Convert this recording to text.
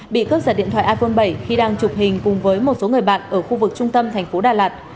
bị cướp giật điện thoại iphone bảy khi đang chụp hình cùng với một số người bạn ở khu vực trung tâm thành phố đà lạt